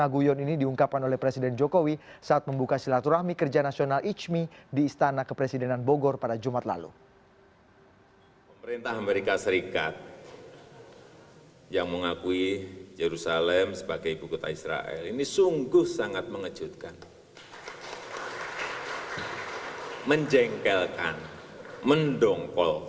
ya rupanya tidak hanya presiden jokowi saja yang kesal tapi keputusan presiden trump mengakui yerusalem sebagai ibu kota resmi israel bermutut panjang